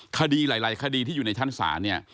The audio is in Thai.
มีศาลที่อยู่ในชั้นศาล